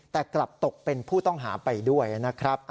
แต่กลับตกเป็นผู้ต้องหาไปด้วยนะครับ